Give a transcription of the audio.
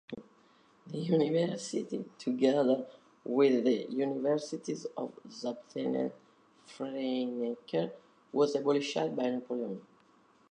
The university, together with the universities of Zutphen and Franeker, was abolished by Napoleon.